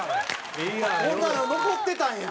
こんなの残ってたんや。